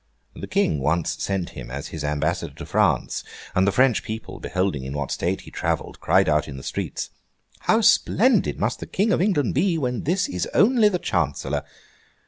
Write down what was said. The King once sent him as his ambassador to France; and the French people, beholding in what state he travelled, cried out in the streets, 'How splendid must the King of England be, when this is only the Chancellor!